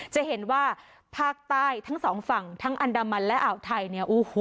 จะเห็นว่าภาคใต้ทั้งสองฝั่งทั้งอันดามันและอ่าวไทยเนี่ยโอ้โห